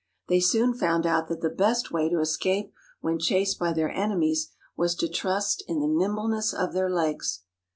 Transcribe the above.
They soon found out that the best way to escape when chased by their enemies was to trust in the nimbleness of their legs.